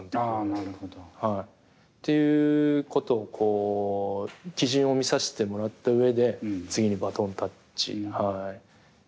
なるほど。ということを基準を見させてもらった上で次にバトンタッチしてもらってるので。